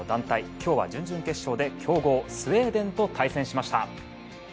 今日は準々決勝で強豪スウェーデンと対戦しました。